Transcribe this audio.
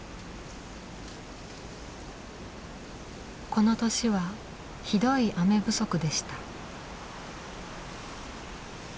この年はひどい雨不足でした。